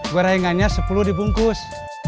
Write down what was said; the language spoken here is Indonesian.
gue raingannya sepuluh dibungkus